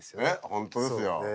本当ですよ。